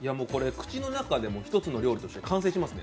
口の中で一つの料理として完成しますね。